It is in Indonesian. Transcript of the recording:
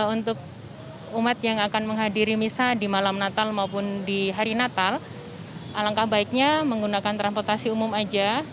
untuk umat yang akan menghadiri misa di malam natal maupun di hari natal alangkah baiknya menggunakan transportasi umum aja